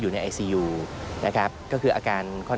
พบหน้าลูกแบบเป็นร่างไร้วิญญาณ